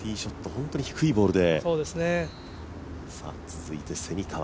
本当に低いボールで。